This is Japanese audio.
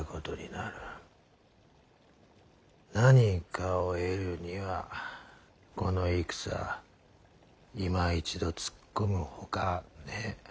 何かを得るにはこの戦いま一度突っ込むほかねえ。